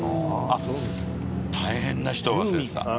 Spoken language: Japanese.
あっ大変な人を忘れてた。